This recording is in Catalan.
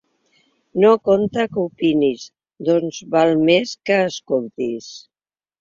No compta què opinis, doncs val més que escoltis.